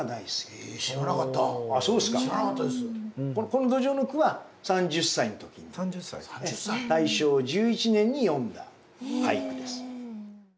このどじょうの句は３０歳の時に大正１１年に詠んだ俳句です。